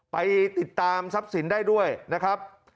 ไปติดตามทรัพย์สินได้ด้วยนะครับ